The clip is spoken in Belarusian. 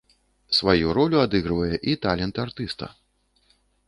Сваю ролю адыгрывае і талент артыста.